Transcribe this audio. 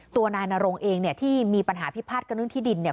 ตัวนายนรงเองเนี่ยที่มีปัญหาพิพาทกันเรื่องที่ดินเนี่ย